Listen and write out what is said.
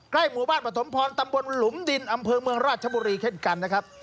หมู่บ้านปฐมพรตำบลหลุมดินอำเภอเมืองราชบุรีเช่นกันนะครับ